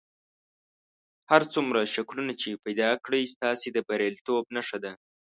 هر څومره شکلونه چې پیدا کړئ ستاسې د بریالیتوب نښه ده.